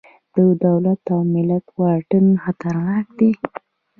د دولت او ملت واټن خطرناک دی.